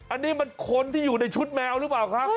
อันนี้มันคนที่อยู่ในชุดแมวหรือเปล่าครับ